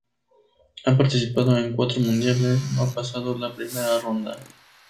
Ha participado en cuatro mundiales, no ha pasado la primera ronda.